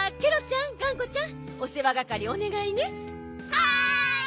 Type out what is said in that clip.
はい！